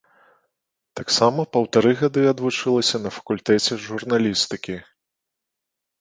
Таксама паўтары гады адвучылася на факультэце журналістыкі.